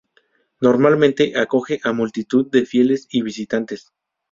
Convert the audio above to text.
Normalmente acoge a multitud de fieles y visitantes.